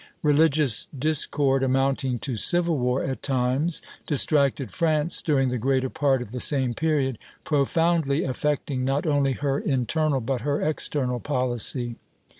Religious discord, amounting to civil war at times, distracted France during the greater part of the same period, profoundly affecting not only her internal but her external policy.